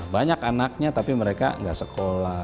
banyak anaknya tapi mereka nggak sekolah